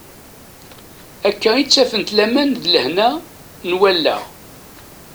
Akka i ttafent laman d lehna n wallaɣ.